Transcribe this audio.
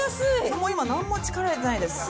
もう今、なんも力入れてないです。